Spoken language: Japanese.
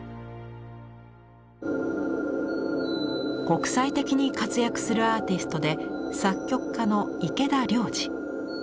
国際的に活躍するアーティストで作曲家の池田亮司。